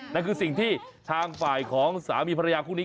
นั่นคือสิ่งที่ทางฝ่ายของสามีภรรยาคู่นี้